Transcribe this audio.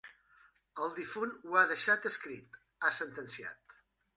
El difunt ho ha deixat escrit —ha sentenciat.